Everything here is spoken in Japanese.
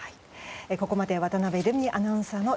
ここまで渡辺瑠海アナウンサーの